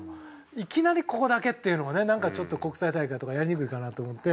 いきなりここだけっていうのもね国際大会とかやりにくいかなと思って。